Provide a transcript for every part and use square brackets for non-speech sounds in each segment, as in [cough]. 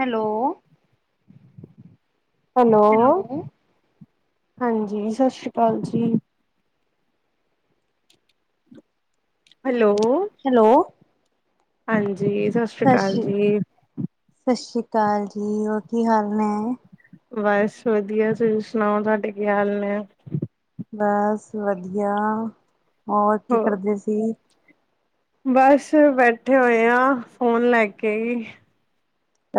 Hello hello ਹਾਂਜੀ ਸਤਿ ਸ਼੍ਰੀ ਅਕਾਲ ਜੀ ਹੈਲੋ ਹੈਲੋ ਹਾਂਜੀ ਸਤਿ ਸ੍ਰੀ ਅਕਾਲ ਜੀ ਤ ਕਾਲ ਜੀ ਹੋਰ ਕੀ ਹਾਲ ਨੇ ਬਸ ਵਧੀਆ ਤੁਸੀਂ ਸੁਣਾਓ ਤੁਹਾਡੇ ਕੀ ਹਾਲ ਨੇ ਬਸ ਵਧੀਆ ਹੋਰ ਕੀ ਹੋ ਕਰਦੇ ਸੀ। ਬਸ ਬੈਠੇ ਹੋਏ ਹਾਂ ਫੋਨ ਲੈ ਕੇ ਹੀ।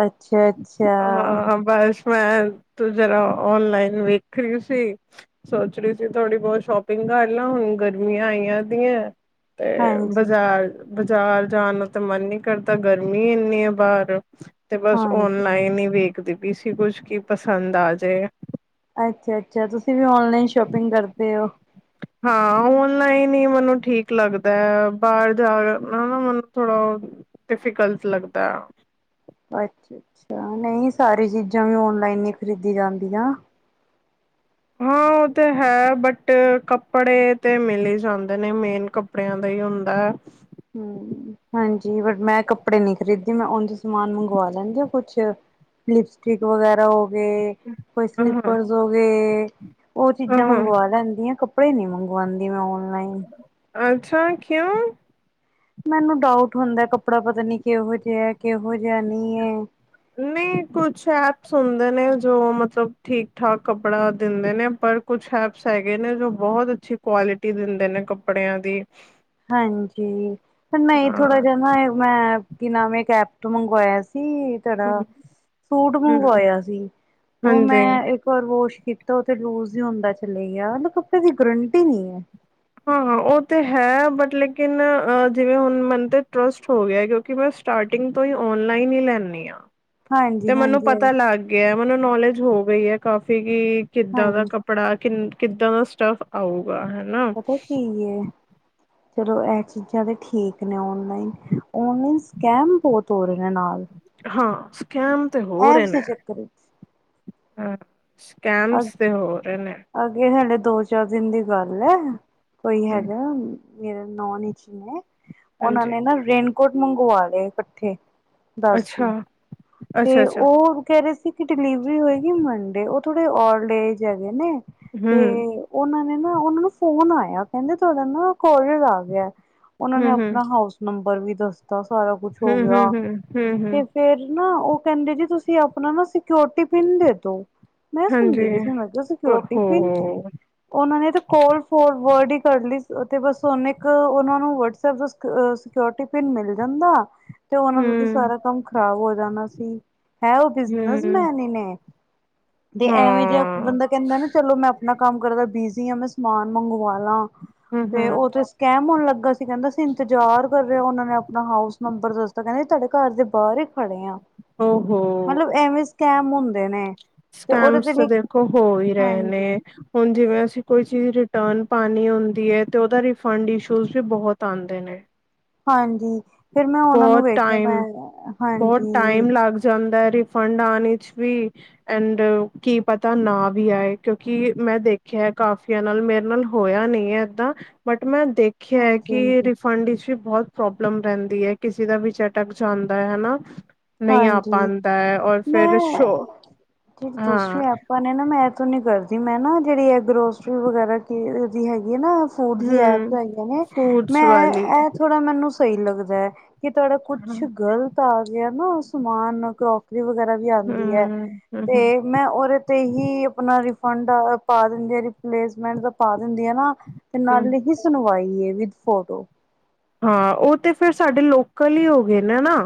ਅੱਛਾ-ਅੱਛਾ, ਹਾਂ ਬੱਸ ਮੈਂ ਤੂੰ ਜਰਾ ਓਨਲਾਈਨ ਵੇਖ ਰਹੀ ਸੀ ਸੋਚ ਰਹੀ ਸੀ ਥੋੜੀ ਬਹੁਤ ਸ਼ੋਪਿੰਗ ਗੱਲ ਆ ਹੁਣ ਗਰਮੀਆਂ ਆਈਆਂ ਦੀਆਂ ਤੇ ਹਾਂਜੀ-ਹਾਂਜੀ। ਬਾਜ਼ਾਰ ਬਜ਼ਾਰ ਜਾਣ ਤਾਂ ਮਨ ਨਹੀਂ ਕਰਦਾ ਗਰਮੀ ਇੰਨੀ ਆ ਬਾਹਰ ਹਾਂ ਲਾਈਨ ਹੀ ਵੇਖਦੀ ਪਈ ਸੀ ਕੁਛ ਕੀ ਪਸੰਦ ਆ ਜਾਏ ਅੱਛਾ ਅੱਛਾ ਤੁਸੀਂ ਵੀ ਓਨਲਾਈਨ ਸ਼ੋਪਿੰਗ ਕਰਦੇ ਹੋ। ਹਾਂ ਔਨਲਾਈਨ ਹੀ ਮੈਨੂੰ ਠੀਕ ਲੱਗਦਾ ਹੈ ਬਾਹਰ ਜਾ ਕੇ ਹਨਾ ਮੈਨੂੰ ਥੋੜ੍ਹਾ ਡਿਫੀਕਲਟ ਲੱਗਦਾ ਆ। ਅੱਛਾ ਅੱਛਾ ਨਹੀਂ ਸਾਰੀ ਚੀਜ਼ਾਂ ਵੀ ਓਨਲਾਈਨ ਹੀ ਖ਼ਰੀਦੀ ਜਾਂਦੀਆਂ। ਹਾਂ ਉਹ ਤੇ ਹੈ ਬਟ ਕੱਪੜੇ ਤੇ ਮਿਲ ਹੀ ਜਾਂਦੇ ਨੇ ਮੇਨ ਕੱਪੜਿਆਂ ਦਾ ਹੀ ਹੁੰਦਾ ਹੈ। [inaudible] ਹੂੰ ਹਾਂਜੀ ਬਟ ਮੈਂ ਕੱਪੜੇ ਨੀ ਖਰੀਦੀ ਮੈਂ ਉਝ ਈ ਸਮਾਨ ਮੰਗਵਾ ਲੈਂਦੀ ਆ ਕੁਛ। ਲਿਪਸਟਿਕ ਵਗੈਰਾ ਉਹ ਕੋਈ ਅ ਸਲੀਪਰਸ ਹੋ ਗਏ। ਉਹ ਚੀਜ਼ਾਂ ਮੰਗਵਾ ਲੈਂਦੀ ਆ। ਕੱਪੜੇ ਨੀ ਮੰਗਵਾਉਂਦੀ ਮੈਂ ਔਨਲਾਈਨ। ਅੱਛਾ ਕਿਉ? ਮੈਨੂੰ ਡਾਊਟ ਹੁੰਦਾ ਕੱਪੜਾ ਪਤਾ ਨੀ ਕਿਹੋ ਜਿਹਾ ਹੈ, ਕਿਹੋ ਜਿਹਾ ਨਹੀਂ ਹੈ। ਨਹੀਂ ਕੁਛ ਐਪਸ ਹੁੰਦੇ ਨੇ ਜੋ ਮਤਲਬ ਠੀਕ ਠਾਕ ਕੱਪੜਾ ਦਿੰਦੇ ਨੇ ਪਰ ਕੁਛ ਐਪਸ ਹੈਗੇ ਨੇ ਜੋ ਬਹੁਤ ਅੱਛੀ ਕੁਆਲਿਟੀ ਦਿੰਦੇ ਨੇ ਕੱਪੜਿਆਂ ਦੀ। ਹਾਂਜੀ ਨਹੀਂ ਹਾਂ ਥੋੜਾ ਜਿਹਾ ਨਾ ਮੈਂ ਕੀ ਨਾਮ ਇੱਕ ਐਪ ਤੋਂ ਮੰਗਵਾਇਆ ਸੀ ਸੀ ਹਮ, ਤੁਡਾ ਸੂਟ ਹਮ, ਮੰਗਵਾਇਆ ਸੀ ਉਹ ਹਾਂਜੀ ਮੈਂ ਇੱਕ ਵਾਰ ਵਾਸ਼ ਕੀਤਾ ਉਹ ਤੇ ਲੂਜ ਹੀ ਹੁੰਦਾ ਚਲੇ ਗਿਆ ਕੱਪੜੇ ਦੀ ਗਰੰਟੀ ਨਹੀਂ ਹੈ। ਹਾਂ-ਹਾਂ ਉਹ ਤੇ ਹੈ ਬਟ ਲੇਕਿਨ ਜਿਵੇਂ ਹੁਣ ਮਨ ਤੇ ਟਰਸਟ ਹੋ ਗਿਆ ਹੈ। ਕਿਉਂਕਿ ਮੈਂ ਸਟਾਰਟਿੰਗ ਤੋਂ ਹੀ ਓਨਲਾਈਨ ਹੀ ਲੈਂਦੀ ਹ ਹਾਂਜੀ ਤੇ ਮੈਨੂੰ ਹਾਂਜੀ ਪਤਾ ਲੱਗ ਗਿਆ। ਮੈਨੂੰ ਨੌਲੇਜ ਹੋ ਗਈ ਹੈ ਕਾਫ਼ੀ ਕਿ ਕਿੱਦਾਂ ਦਾ ਹਾਂਜੀ ਕੱਪੜਾ ਕਿ ਕਿੱਦਾਂ ਦਾ ਸਟਾਫ ਆਊਗਾ ਹਨਾ। ਪਤਾ ਕੀ ਏ, ਚਲੋ ਇਹ ਚੀਜ਼ਾਂ ਤੇ ਠੀਕ ਨੇ ਆਨਲਾਈਨ ਔਨਲਾਈਨ ਸਕੈਮ ਬਹੁਤ ਹੋ ਰਹੇ ਨੇ ਨਾਲ ਹਾਂ ਸਕੈਮ ਤੇ ਹੋ ਰਹੇ ਐਪਸ ਦੇ ਨੇ। ਚੱਕਰ ਵਿੱਚ ਹਾਂ ਅ ਸਕੈਮਸ ਤੇ ਹੋ ਰਹੇ ਨੇ। ਅੱਗੇ ਹਾਲੇ ਦੋ ਚਾਰ ਦਿਨ ਦੀ ਗੱਲ ਹੈ। ਕੋਈ ਹੂੰ ਹੈਗਾ ਮੇਰੇ ਨੋਨ ਇਚ ਈ ਨੇ। ਉਹਨਾਂ ਹਾਂਜੀ ਨੇ ਨਾ ਰੇਨਕੋਟ ਮੰਗਵਾ ਲਏ ਇਕੱਠੇ ਦਸ ਕੁ ਅੱਛਾ ਅੱਛਾ ਤੇ ਅੱਛਾ ਉਹ ਕਹਿ ਰਹੇ ਸੀ। ਕਿ ਡਿਲੀਵਰੀ ਹੋਏਗੀ ਮੰਡੇ ਉਹ ਥੋੜੇ ਓਲਦ ਐਜ ਹੈਗੇ ਨੇ ਤੇ ਹੂੰ ਉਹਨਾਂ ਨੇ ਨਾ ਉਹਨਾਂ ਨੂੰ ਫੋਨ ਆਇਆ ਕਹਿੰਦੇ ਤੁਹਾਡਾ ਨਾ ਕੋਰੀਅਰ ਆਇਆ ਹੈ। ਉਹਨਾਂ ਹੂੰ ਨੇ ਹੂੰ ਆਪਣਾ ਹਾਊਸ ਨੰਬਰ ਵੀ ਦੱਸਤਾ ਸਾਰਾ ਕੁਛ ਹੋ ਹੂੰ ਹੂੰ ਗਿਆ। ਹੂੰ ਹੂੰ ਹੂੰ ਤੇ ਫਿਰ ਨਾ ਉਹ ਕਹਿੰਦੇ ਜੀ ਤੁਸੀਂ ਆਪਣਾ ਨਾ ਸਿਓਰਟੀ ਪਿੰਨ ਦੇ ਦੋ। ਮੈਂ ਸੁਣਦੀ ਹਾਂਜੀ ਵੀ ਸੀ ਮਤਲਬ ਸਿਓਰਟੀ ਓਹੋ ਪਿਨ। ਉਹਨਾਂ ਨੇ ਤਾਂ ਕੋਲ ਫੋਰਵਰਡ ਕਰਲੀ ਤੇ ਬਸ ਨ ਇੱਕ ਉਹਨਾ ਨੂੰ ਵਟਸਪ ਦਾ ਸਕਿਓਰਟੀ ਪਿੰਨ ਮਿਲ ਜਾਂਦਾ ਤੇ ਉਹਨਾਂ ਦਾ ਤਾਂ ਹੂੰ ਸਾਰਾ ਕੰਮ ਖ਼ਰਾਬ ਹੋ ਜਾਣਾ ਸੀ। ਹੈ ਉਹ ਹੂੰ ਬਿਜਨਸਮੈਨ ਹੀ ਨੇ। ਤੇ ਐਵੇਂ ਜੇ ਹਾਂ ਬੰਦਾ ਕਹਿੰਦਾ ਨਾ ਚਲੋ ਮੈਂ ਆਪਣਾ ਕੰਮ ਕਰਦਾ ਬਿਜੀ ਹਾਂ ਮੈਂ ਸਮਾਨ ਮੰਗਵਾ ਲਾਂ ਹੂੰ ਤੇ ਹੂੰ ਉਹ ਥੇ ਸਕੇਮ ਹੋਣ ਲੱਗਾ ਸੀ, ਕਹਿੰਦਾ ਸੀ ਇੰਤਜ਼ਾਰ ਕਰ ਉਹਨਾ ਨੇ ਆਪਣਾ ਹਾਊਸ ਨੰਬਰ ਦੱਸਤਾ ਕਹਿੰਦੇ ਤੁਹਾਡੇ ਘਰ ਦੇ ਬਾਹਰ ਹੀ ਖੜੇ ਆ। ਓਹ ਹੋ। ਮਤਲਬ [unintelligible] ਤੇ ਉਹਦੇ ਸਕੈਮਸ ਤੇ ਦੇਖੋ ਹੋ ਹੀ ਰਹੇ ਹਾਂਜੀ ਨੇ ਹੁਣ ਜਿਵੇਂ ਅਸੀਂ ਕੋਈ ਚੀਜ਼ ਰਿਟਰਨ ਪਾਣੀ ਹੁੰਦੀ ਹੈ ਤੇ ਉਹਦਾ ਰਿਫੰਡ ਇਸ਼ੂਜ ਵੀ ਬਹੁਤ ਆਉਂਦੇ ਨੇ। ਹਾਂਜੀ ਫਿਰ ਮੈਂ ਉਹਨਾਂ ਨੂੰ ਬਹੁਤ ਵੇਖਿਆ ਟਾਈਮ ਮੈਂ ਬਹੁਤ ਹਾਂਜੀ। ਟਾਈਮ ਲੱਗ ਜਾਂਦਾ ਹੈ ਰਿਫੰਡ ਆਉਣ ਚ ਵੀ ਐਂਡ ਕੀ ਪਤਾ ਨਾ ਵੀ ਆਏ ਕਿਉਂਕਿ ਮੈਂ ਦੇਖੀ ਕਾਫੀਆਂ ਨਾਲ ਮੇਰੇ ਨਾਲ ਹੋਇਆ ਨਹੀਂ ਹੈ। ਏਦਾਂ ਬਟ ਮੈਂ ਦੇਖਿਆ ਹੈ ਹਾਂਜੀ ਕਿ ਹਾਂਜੀ ਰਿਫੰਡ ਵਿੱਚ ਵੀ ਬਹੁਤ ਪ੍ਰੋਬਲਮ ਰਹਿੰਦੀ ਹੈ। ਕਿਸੇ ਦਾ ਵਿਚ ਅਟਕ ਜਾਂਦਾ ਹੈ ਹਨਾ। ਨਹੀਂ ਆ ਹਾਂਜੀ ਪਾਉਂਦਾ ਹੈ ਔਰ ਮੈਂ ਫਿਰ ਸ਼ੋਅ ਜਿਹੜੀ ਦੂਸਰੀ ਹਾਂ ਐਪਾਂ ਨੇ ਨਾ ਮੈਂ ਇਹ ਨੀ ਕਰਦੀ ਮੈਂ ਨਾ ਜਿਹੜੀ ਅਦਰੋ ਗਰੋਸਰੀ ਵਗੈਰਾ ਦੀ ਹੈਗੀ ਹੈ ਨਾ ਫੂਡ ਦੀ ਐਪ ਹਮ ਹੈਗੀ ਨੇ ਮੇ ਫੂਡਸ ਵਾਲੀ ਇਹ ਥੋੜ੍ਹਾ ਮੈਨੂੰ ਸਹੀ ਲੱਗਦਾ ਹੈ। ਕਿ ਤੁਹਾਡਾ ਕੁਛ ਹਮ ਗ਼ਲਤ ਆ ਗਿਆ ਨਾ ਉਹ ਸਮਾਨ ਵਗੈਰਾ ਵੀ ਆਉਂਦੀ ਹੈ ਹਮ ਹਮ ਤੇ ਮੈਂ ਉਹਦੇ ਤੇ ਹੀ ਆਪਣਾ ਫੰਡ ਪਾ ਦਿੰਦੀ ਆ ਰੀਪਲੇਸਮੈਂਟ ਦਾ ਪਾ ਦਿੰਦੀ ਆ ਨਾ ਤੇ ਨਾਲ ਹਮ ਹੀ ਸੁਣਵਾਈ ਐ। With photo. ਹਾਂ ਉਹ ਤੇ ਫਿਰ ਸਾਡੇ ਲੋਕਲ ਈ ਹੋ ਗਏ ਨੇ ਨਾ।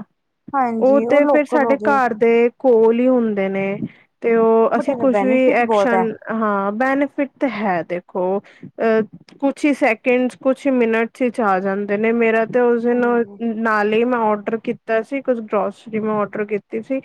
ਉਹ ਹਾਂਜੀ ਤੇ ਫਿਰ ਲੋਕਲ ਹੋ ਸਾਡੇ ਗਏ ਘਰ ਦੇ ਕੋਲ ਹੀ ਹੁੰਦੇ ਨੇ। ਤੇ ਉਹ ਬਟ ਅਸੀਂ ਇਹਦਾ ਕੁਛ ਵੀ ਬੈਨੀਫਿਟ ਬਹੁਤ ਹੈ ਐਕਸ਼ਨ ਹਾਂ ਬੈਨੀਫਿਟ ਤਾਂ ਹੈ ਦੇਖੋ। ਉਹ ਅ ਕੁਛ ਈ ਸੈਕਿੰਡ ਚ ਕੁਛ ਹੀ ਮਿੰਨਟ ਚੱਲ ਆ ਜਾਂਦੇ ਨੇ ਮੇਰਾ ਤੇ ਉਸ ਦਿਨ ਹਾਂਜੀ ਅ ਨਾਲ ਈ ਮੈਂ ਔਡਰ ਕੀਤਾ ਸੀ ਕੁਝ ਗਰੋਸਰੀ ਮੈਂ ਔਡਰ ਕੀਤੀ ਸੀ।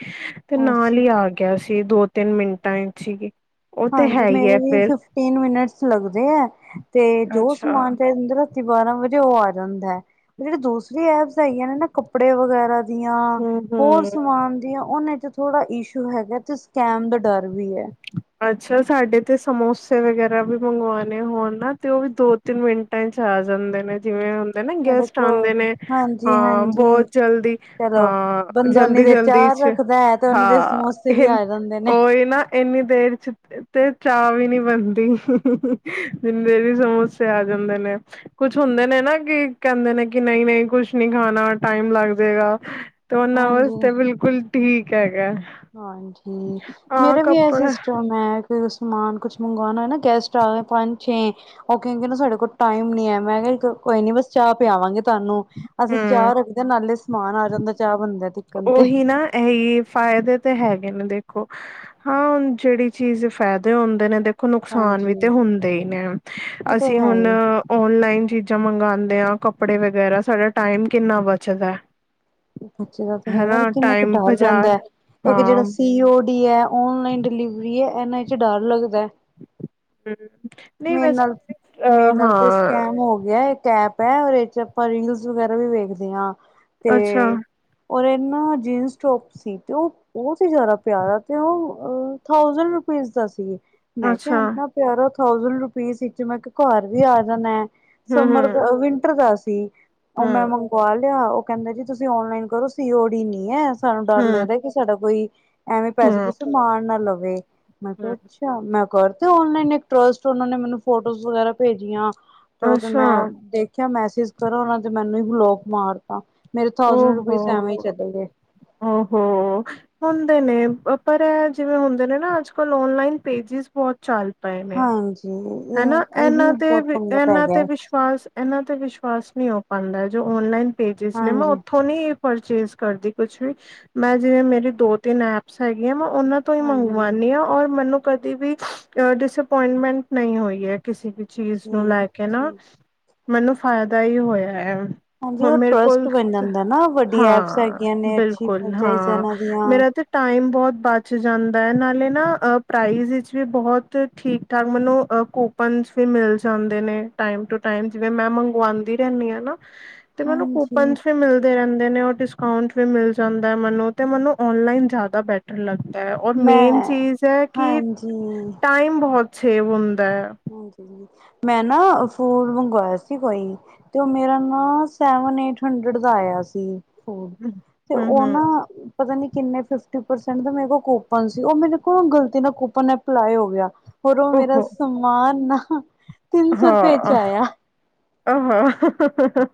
ਤੇ ਨਾਲ ਅੱਛਾ ਈ ਆ ਗਿਆ ਸੀ ਦੋ ਤਿੰਨ ਮਿੰਟਾਂ ਵਿਚ ਹੀ। ਉਹ ਤੇ ਹਾਂਜੀ ਹੈ ਹੀ ਮੇਰੇ ਹੈ ਲਈ ਫਿਰ ਫਿਫਟੀਨ ਮਿਨਟਸ ਲੱਗਦੇ ਐ। ਤੇ ਜੋ ਅੱਛਾ ਸਮਾਨ ਚਾਹੀਦਾ ਹੁੰਦਾ ਰਾਤੀ ਬਾਰਾਂ ਵਜੇ ਤੇ ਉਹ ਆ ਜਾਂਦਾ ਐ। ਜਿਹੜੇ ਦੂਸਰੇ ਐਪਸ ਹੈਗੀਆਂ ਨੇ ਨਾ ਕੱਪੜੇ ਵਗੈਰਾ ਦੀਆਂ ਹੂੰ ਹੋਰ ਹੂੰ ਸਮਾਨ ਦੀਆਂ ਉਹਨਾਂ ਚ ਥੋੜਾ ਇਸ਼ੂ ਹੈਗਾ ਤੇ ਸਕੈਮ ਦਾ ਡਰ ਵੀ ਐ। [unintelligible] ਅੱਛਾ ਸਾਡੇ ਤੇ ਸਮੋਸੇ ਵਗੈਰਾ ਵੀ ਮੰਗਵਾਨੇ ਹੋਨ ਨਾ ਤੇ ਉਹ ਵੀ ਦੋ ਤਿੰਨ ਮਿੰਟਾਂ ਚ ਆ ਜਾਂਦੇ ਨੇ ਜਿਵੇਂ ਹੁੰਦੇ ਨਾ ਸਾਡੇ ਗੈਸਟ ਕੋਲ ਆਉਂਦੇ ਨੇ ਹਾਂਜੀ ਅਹ ਬਹੁਤ ਹਾਂਜੀ ਜਲਦੀ ਚਲੋ ਅਹ, ਬੰਦਾ ਉਨੀ ਜਲਦੀ ਦੇਰ ਜਲਦੀ ਚਾਹ ਚ ਰੱਖਦਾ ਹੈ ਤੇ ਉਨੀ ਦੇਰ ਹਾਂ ਸਮੋਸੇ ਵੀ ਇ ਆ ਜਾਂਦੇ ਨੇ ਉਹੀ ਨਾ ਇਹਨੇ ਨੀ ਦੇਰ ਚ ਤੇ ਚਾਹ ਵੀ ਨੀ ਬਣਦੀ ਜਿੰਨੀ ਦੇ ਸਮੋਸੇ ਆ ਜਾਂਦੇ ਨੇ। ਕੁਛ ਹੁੰਦੇ ਨੇ ਨਾ ਕਿ ਕਹਿੰਦੇ ਨੇ ਕਿ ਨਹੀਂ ਨਹੀਂ ਕੁਛ ਨੀ ਖਾਣਾ ਟਾਈਮ ਲੱਗ ਜਾਏਗਾ। ਤੇ ਉਹਨਾਂ ਹਾਂਜੀ ਵਾਸਤੇ ਬਿਲਕੁਲ ਠੀਕ ਹੈਗਾ। ਹਾਂਜੀ ਹਾਂ ਮੇਰਾ ਵੀ ਇਹ ਕੱਪੜਾ ਸਿਸਟਮ ਹੈ। ਸਮਾਨ ਕੁਛ ਮੰਗਵਾਉਣਾ ਨਾ ਗੈਸਟ ਆ ਪੰਜ ਛੇ ਉਹ ਕਹਿੰਦੇ ਸਾਡੇ ਕੋਲ ਟਾਈਮ ਨੀ ਹੈ ਮੈਂ ਕਿਹਾ। ਕੋਈ ਨੀ ਬਸ ਚਾਹ ਪਿਆਵਾਂਗੇ ਤੁਹਾਨੂੰ ਅਸੀਂ ਹੂੰ ਚਾਹ ਰੱਖਦੇ ਨਾਲੇ ਸਮਾਨ ਆ ਜਾਂਦਾ ਚਾਹ ਬੰਦੇ। ਉਹੀ ਨਾ ਇਹ ਫਾਇਦੇ। ਤੇ ਹੈਗੇ ਨੇ ਦੇਖੋ, ਹਾਂ ਜਿਹੜੀ ਚੀਜ਼ ਫਾਇਦੇ ਹੁੰਦੇ ਨੇ ਦੇਖ ਖੋ ਨੁਕਸਾਨ ਹਾਂਜੀ ਵੀ ਤੇ ਹੁੰਦੇ ਈ ਨੇ ਉਹ ਤੇ ਅਸੀਂ ਹੈ ਹੁਨ ਹੀ ਹੈ। ਓਨਲਾਈਨ ਚੀਜ਼ਾਂ ਮੰਗਾਂ ਆਂ ਕੱਪੜੇ ਵਗੈਰਾ ਸਾਡਾ ਟਾਈਮ ਕਿੰਨਾ ਬੱਚਦਾ ਐ। ਬੱਚੇ ਤੇ ਹੈਗਾ ਵੀ ਕਿੰਨਾ ਕੁ ਡਰ ਰਹਿੰਦਾ ਐ। ਇੱਕ ਹਾਂ ਜਿਹੜਾ ਹਮ ਸੀ ਓ ਡੀ ਐ, ਓਨਲਾਨ ਡਿਲੀਵਰੀ ਐ, ਇਨਾ ਚ ਡਰ ਲੱਗਦਾਏ। [unintelligible] ਵੈਸੇ ਮੇਨਾਲ ਅ ਮੇਨਾਲ ਤੇ ਹਾਂ ਸਕੈਮ ਹੋ ਗਿਆ ਇੱਕ ਐਪ ਇਹ ਓਰ ਇਹਦੇ ਚ ਆਪਾ ਰਿੰਗਸ ਵਗੈਰਾ ਵੀ ਵੱਖਦੇ ਆਂ। ਅੱਛਾ। ਔਰ ਇਨਾ ਜੀਨਸ ਟੋਪ ਸੀ ਤੇ ਉਹ ਬਹੁਤ ਹੀ ਜਿਆਦਾ ਪਿਆਰਾ ਤੇ ਉਹ ਅ ਥਾਉਜ਼ਨਟ ਰੁਪਏੇ [unintelligible] ਸੀ, ਮੈਂ ਕਿਹਾ ਅੱਛਾ ਇੰਨਾ ਪਿਆਰਾ ਥਾਉਜ਼ਨਟ ਰੁਪਿਸ ਇਚ ਮੈਂ ਕ ਘਰ ਵੀ ਆ ਜਾਨਾ ਏ। ਹਮ ਸਮਰ ਹਮ ਦਾ, ਵਿੰਟਰ ਦਾ ਸੀ ਉਹ ਮੈਂ ਹਮ ਮੰਗਵਾ ਲਿਆ ਕਹਿੰਦੇ ਜੀ ਤੁਸੀਂ ਔਨਲਾਈਨ ਕਰੋ ਸੀ ਓ ਡੀ ਨੀ ਐ ਸਾਨੂੰ ਡਰ ਹਮ ਲੱਗਦਾਏ ਕਿ ਸਾਡਾ ਕੋਈ ਐਵੇਂ ਪੈਸੇ ਹਮ ਪੂਸੇ ਮਾਰ ਨਾ ਲਵੇ, ਮੈਂ ਕਿਹਾ ਹਮ ਅੱਛਾ, ਮੈਂ ਕਰਦੇ ਔਨਲਾਈਨ ਏਕ ਟਸਟ ਉਹ ਨੇ ਮੈਨੂੰ ਫੋਟੋਸ ਵਗੈਰਾ ਭੇਜਿਆ ਤੇ ਉਹ ਤੇ ਅੱਛਾ ਮੈਂ ਦੇਖਿਆ ਮੈਸ ਇਸ ਤਰਾਂ ਉਹਨਾਂ ਤੇ ਮੈਨੂੰ ਹੀ ਬਲੋਕ ਮਾਰਤਾ। ਮੇਰੇ ਉਹ ਥਾਊਸੈਂਡ ਰੁਪੀਸ ਐਵੇਂ ਹੀ ਹੋੋ, ਚਲੇ ਗਏ ਉਹ ਹੋ ਤੁਹਾਨੂੰ ਤੇ ਨੇ ਪਰ ਇਹ ਜਿਵੇਂ ਹੁੰਦੇ ਨੇ ਨਾ ਅੱਜ ਕੱਲ ਔਨਲਾਈਨ ਪੇਜਿਸ ਬਹੁਤ ਚੱਲ ਹਾਂਜੀ। ਹੈਨਾ ਇਹ ਇਹੀ ਇਹਨਾਂ ਤੇ ਬਹੁਤ ਵੀ ਪੰਗਾ ਪੈ ਇਹਨਾਂ ਗਿਆ ਤੇ ਹੈ। ਵਿਸ਼ਵਾ ਸ, ਇਹਨਾਂ ਤੇ ਵਿਸ਼ਵਾਸ ਨਹੀ ਹੋ ਪਾਂਦਾ ਏ, ਜੋ ਔਨਲਾਈਨ ਪੇਜਿਸ ਨੇ ਮੈਂ ਹਾਂਜੀ ਉਥੋਂ ਨੀ ਪਰਚੇਸ ਕਰਦੀ ਕੁਛ ਵੀ ਮੈਂ ਜਿਵੇਂ ਮੇਰੀ ਦੋ ਤਿੰਨ ਐਪ ਸਹੀ ਏ ਮੈਂ ਉਹਨਾਂ ਤੋਂ ਹੀ ਹਾਂਜੀ ਮੰਗਵਾਨੀ ਆਂ ਔਰ ਮੈਨੂੰ ਕਦੀ ਵੀ ਅ ਡਿਸੇਪੋਇੰਟਮੈਂਟ ਨਹੀਂ ਹੋਈ ਐ ਕਿਸੇ ਵੀ ਚੀਜ਼ ਨੂੰ ਲੈ ਠੀਕ ਕੇ ਨਾ, ਠੀਕ ਮੈਨੂੰ ਫਾਇਦਾ ਹੀ ਹੋਇਆ ਏ। ਹਾਂਜੀ ਹੁਨ ਉਹ ਮੇਰੇ ਕੋਲ, ਟਰਸਟ ਬਣ ਜਾਂਦਾ ਨਾ ਵੱਡੀ ਐਪਸ ਹਾਂ ਹੈਗੀਆਂ ਨੇ ਅੱਛੀ ਬਿਲਕੁਲ, ਫਰੈਂਚਾਈਜ਼ ਹਾਂ ਇਹਨਾਂ ਦੀਆਂ ਮੇਰਾ ਉਥੇ ਟਾਈਮ ਬਹੁਤ ਬਚ ਜਾਂਨ ਨਾਲੇ ਨਾ ਅ ਪ੍ਰਾਈਜ਼ ਇਚ ਈ ਬੋਹਤ ਠੀਕ ਠਾਕ ਮੈਨੂੰ ਅ ਕੁਪਨਸ ਵੀ ਮਿਲ ਜਾਂਦੇ ਨੇ ਟਾਇਮ ਟੂ ਟਾਇਮ ਜਿਵੇਂ ਮੈਂ ਮੰਗਵਾਦੀ ਰਹਿੰਦੀ ਆ ਨਾ ਤੇ ਮੈਨੂੰ ਹਾਂਜੀ ਕੂਪਨਸ ਵੀ ਮਿਲਦੇ ਰਹਿੰਦੇ ਨੇ ਉਹ ਡਿਸ ਆਂਟ ਵੀ ਮਿਲ ਜਾਂਦਾ ਐ ਮੈਨੂੰ ਤੇ ਮੈਨੂੰ ਔਨਲਾਈਨ ਜ਼ਿਆਦਾ ਬੈਟਰ ਲੱਗ ਦਾਏ ਓਰ ਮੈਂ ਮੇਨ ਚੀਜ਼ ਐ ਕਿ ਹਾਂਜੀ ਟਾਈਮ ਬਹੁਤ ਸੇਵ ਹੁੰਨ ਹਾਂਜੀ। ਮੈਂ ਨਾ ਫੂਲ ਮੰਗਵਾਇਆ ਸੀ ਕੋਈ, ਤੇ ਉਹ ਮੇਰਾ ਨਾ ਸੇਵਨ ਏਈਟ ਹੰਡਰਡ ਦਾ ਆਇਆ ਸੀ। ਹੋ ਤੇ ਹਮ ਹਮ ਉਹਨਾਂ? ਪਤਾ ਨਈ, ਕਿੰਨੇ ਫਿਫਟੀ ਪਰਸੈਂਟ ਮੇਰੇ ਕੋਲ ਕੁੱਪਨ ਸੀ। ਉਹ ਮੈ ਕੋ ਗਲਤੀ, ਨਾ ਕੁੱਪਨ ਅਪਲਾਈ ਹੋ ਗਿਆ। ਹੋਰ, ਉਹ ਮੇਰਾ ਓਹੋ ਸਮਾਨ ਨਾ, ਤਿੰਨ ਸੌ ਰੁਪਏ ਚ ਆਇਆ। ਆੋ ਹਾਂ ਹ ਹ ਹ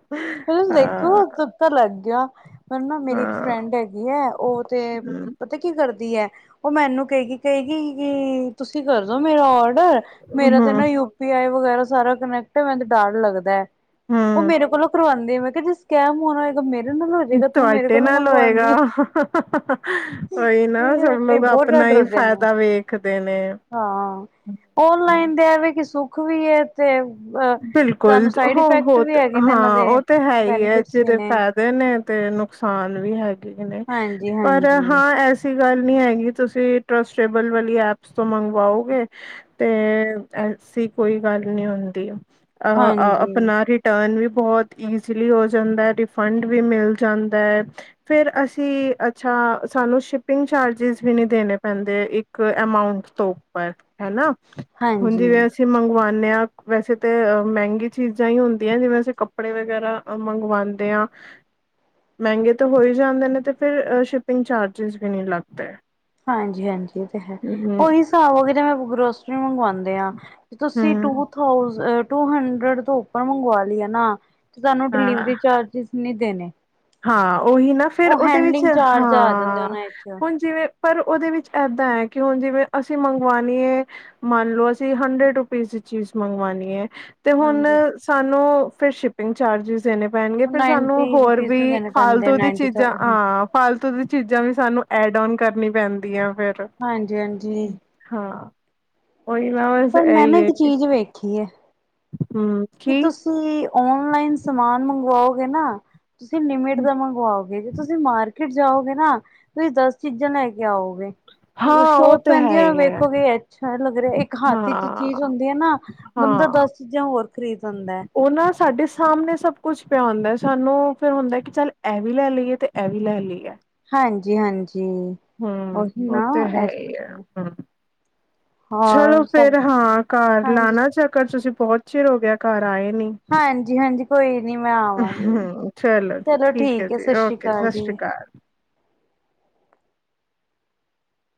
ਫਿਰ ਹਾਂ ਦੇਖੋ ਤੁੱਕਾ ਲੱਗ ਗਿਆ ਪਰ, ਨਾ ਮੇਰੀ ਇੱਕ ਹਾਂ ਫਰੈਂਡ ਹੈਗੀ ਹੈ, ਉਹ ਤੇ ਪਤਾ ਕੀ ਕਰਦੀ ਹੈ ਉਹ ਮੈਨੂੰ ਕਹਿ ਗ ਕ ਗਈ ਕਿ ਤੁਸੀਂ ਕਰਦੋ ਮੇਰਾ ਔਡ ਵਹ, ਮੇਰਾ ਤੇ ਹੂੰ ਨਾ ਯੂ ਪੀ ਆਈ ਵਗੈਰਾ ਸਾਰਾ ਕਨੈਕਟ, ਮੈਨੂੰ ਡਰ ਲੱਗਦਾ ਹੈ। ਉਹ ਹਾਂ। ਮੇਰੇ ਕੋਲੋਂ ਕਰਵਾਂਦੀ ਮੈ ਕਿਹਾ ਜੀ ਸਕੈਮ ਹੋਨਾਂ ਹੋਏਗਾ ਮੇ ਤੁਹਾਡੇ ਨਾਲ ਹੋਏਗਾ, ਕੋਈ ਨਾ ਕਈ [unintelligible] ਬਹੁਤ ਡਰ ਆਪਣਾ ਈ ਈ ਡਰਦੇ ਨੇ ਫਾਇਦਾ ਵੇਖਦੇ ਨੇ। ਹਾਂ ਔਨਲਾਈਨ ਦੇ ਐਵੇ ਕਿ ਸੁੱਖ ਵੀ ਐ ਤੇ ਅ ਬਿਲਕੁਲ ਤੁਹਾਨੂੰ ਸਾਈਡ ਹੋ ਇਫੈਕਟ ਵੀ ਹੋਤ ਹੈਗੇ ਨੇ ਹਾਂ ਇਹਨਾਂ ਦੇ ਉਹ ਤੇ ਹੈ ਈ ਐ ਬੈਨੀਫਿਟਸ ਵੀ ਜਿਹ ਨੇ ਫਾਇਦੇ ਨੇ ਤੇ ਨੁਕਸਾਨ ਵੀ ਹੈਗੇ ਨੇ ਹਾਂਜੀ ਪਰ ਹਾਂਜੀ ਹਾਂ ਐਸੀ ਗੱਲ ਨਹੀਂ ਹੈਗੀ ਤੁਸੀਂ ਟਰਸਏਬਲ ਵਾਲੀ ਐਪਸ ਤੋਂ ਮੰਗਵਾਓਗੇ ਤੇ ਐ ਐਸੀ ਕੋਈ ਗੱਲ ਨੀ ਹੁੰਦੀ ਅ ਹਾਂਜੀ, ਆਪਣਾ ਰਿਟਰਨ ਵੀ ਬਹੁਤ ਇਜ਼ਲੀ ਹੋ ਜਾਂਦਾ ਹੈ, ਰਿਫੰਡ ਵੀ ਮਿਲ ਜਾਂਦਾ ਹੈ, ਫਿਰ ਅਸੀਂ ਅੱਛਾ। ਹਾਂ, ਸਾਨੂੰ ਸ਼ਿਪਿੰਗ ਚਾਰਜਿਸ, ਵੀ ਨਹੀਂ ਦੇਣੇ ਪੈਂਦੇ, ਇੱਕ ਅਮਾਊਂਟ ਤੋਂ ਉੱਪਰ ਹੈ ਨਾ। ਹੁਣ, ਹਾਂਜੀ, ਜਿਵੇ ਅਸੀਂ ਮਗਵਾਣੇ, ਹਾਂ ਵੈਸੇ ਤੇ ਮਹਿੰਗੀ ਚੀਜ਼ਾਂ, ਹੀ ਹੁੰਦੀਆਂ ਜਿਵੇਂ, ਅਸੀਂ ਕੱਪੜੇ ਵਗ਼ੈਰਾ ਮੰਗਵਾਉਂਦੇ ਆ ਮਹਿੰਗੇ ਤਾਂ ਹੋ ਹੀ ਜਾਂਦੇ ਨੇ, ਤੇ ਫਿਰ ਸ਼ਿਪਿੰਗ ਚਾਰਜਿਜ, ਵੀ ਨਹੀਂ ਲੱਗਦੇ। ਹਾਂਜੀ--ਹਾਂਜੀ ਤੇ ਹੈ ਹਮ ਉਹੀ ਹਿਸਾਬ ਦੇ ਨਾਲ ਗਰੋਸਰੀ ਮੰਗਵਾਉਂਦੇ ਹਾਂ ਤੁਸੀਂ ਹਮ ਟੂ ਥੋਜੇਂਟ ਟੂ ਹੰਡਰਡ ਤੋਂ, ਉੱਪਰ ਮੰਗਵਾ ਲੀਏ ਨਾ, ਸਾਨੂੰ ਹਾਂ ਡਿਲੀਵਰੀ ਚਾਰਜਿਜ ਨੀ ਦੇਣੇ। ਹਾਂ, ਉਹੀ ਨਾ ਫਿਰ ਉਹ ਉਹਦੇ ਵਿੱਚ ਹੈਂਡਲਿੰਗ ਚਾਰਜ ਆ ਜਾਂਦੇ ਹਾਂ, ਉਹਨਾਂ ਵਿੱਚ ਹੁਣ ਜਿਵੇਂ ਪਰ ਉਹਦੇ ਵਿੱਚ ਏਦਾਂ ਹੈ, ਕਿ ਹੁਣ ਜਿਵੇਂ ਅਸੀਂ ਮਗਵਾਉਣੀ ਏ, ਮੰਨ ਲਓ ਅਸੀਂ ਹੰਡਰਡ ਰੁਪਿਜ। ਚੀਜ਼ ਮੰਗਵਾਣੀ ਏ? ਤੇ ਹੁਣ ਹਾਂਜੀ ਸਾਨੂੰ ਫਿਰ ਸ਼ਿਪਿੰਗ ਚਾਰਜਿਜ ਦੇਣੇ ਪੈਣਗੇ, ਉਹ ਫਿਰ ਸਾਨੂੰ ਨਾਈਨਟੀ ਹੋਰ ਰੁਪੀਸ ਕਿ ਦੇਣੇ ਪੈਂਦੇ ਆ ਫਾਲਤੂ ਦੀ ਨਾਈਨਟੀ ਚੀਜ਼ਾਂ ਹਾਂਜੀ, ਹਾਂ, ਫਾਲਤੂ ਦੀ ਚੀਜ਼ਾਂ ਵੀ ਸਾਨੂੰ ਐਡ ਓਣ ਕਰਨੀ ਪੈਂਦੀਆਂ। ਫਿਰ ਹਾਂਜੀ ਹਾਂ। ਉਹੀ ਨਾ ਬਸ ਪਰ ਮੈਂ ਨਾ, ਇਹੀ ਇੱਕ ਚੀਜ਼ ਵੇਖੀ ਏ? ਹਾਂ ਕੀ? ਓਨਲਾਈਨ, ਸਮਾਨ ਮੰਗਵਾਓਗੇ ਨਾ, ਤੁਸੀਂ ਲਿਮਿਟ ਦਾ ਮੰਗਵਾਓਗੇ, ਜ ਤੁਸੀਂ ਮਾਰ ਫਿਰ ਜਾਓਗੇ ਨਾ, ਤੁਸੀਂ ਦਸ ਚੀਜ਼ਾਂ ਲੈ ਕੇ ਆਓਗੇ। ਹਾਂ ਉਹ ਸ਼ਾਪ, ਤੇ ਪੈਂਦੀ ਹੈ ਹੀ ਵੇਖੋਗੇ, ਅੱਛਾ ਲੱਗ ਰਿਹਾ, ਇੱਕ ਹੱਥ ਚ ਹਾਂ ਚੀਜ਼ ਹੁੰਦੀ ਹੈ ਨਾ। ਬੰਦਾ, ਹਾਂ ਦਸ ਚੀਜ਼ਾਂ ਹੋਰ ਖਰੀਦ ਦਿੰਦਾ? ਉਹ ਨਾ ਸਾਡੇ ਸਾਹਮਣੇ ਸਭ ਕੁੱਛ ਪਿਆ ਹੁੰਦਾ, ਸਾਨੂੰ ਫਿਰ ਹੁੰਦਾ, ਕਿ ਚੱਲ ਇਹ ਵੀ ਲੈ ਲਈਏ, ਤੇ ਇਹ ਵੀ ਲੈ ਲਈਏ ਹਾਂਜੀ ਹਾਂਜੀ। ਹੂ, ਉਹੀ ਨਾ ਹੋਤੇ ਹੈ ਇਹ ਈ ਚੱਕਰ ਅ? ਚਲੋ ਹੋਰ ਸਭ ਫੇਰ ਹਾਂ, ਘਰ ਹਾਂਜੀ ਲਾਉਣਾ ਚੱਕਰ, ਤੁਸੀਂ ਬਹੁਤ ਚਿਰ ਹੋ ਗਿਆ ਘਰ ਹਾਂਜੀ--ਹਾਂਜੀ ਕੋਈ ਨਹੀਂ ਓ ਹੂ, ਚਲੋ ਜੀ ਠੀਕ ਹੈ ਸਤਿ ਫਿਰ ਸ੍ਰੀ ਓਕੇ, ਅਕਾਲ ਸਤਿ ਜੀ ਸ੍ਰੀ ਅਕਾਲ। [unintelligible]